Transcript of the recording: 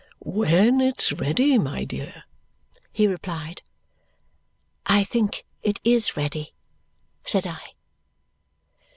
"When it's ready, my dear," he replied. "I think it is ready," said I.